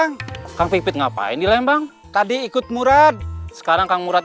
tapi pas aku daaripada ksatria kalau rasa